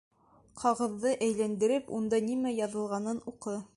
Ҡағыҙҙы әйләндереп, унда нимә яҙылғанын уҡы.